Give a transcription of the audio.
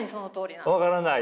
分からない？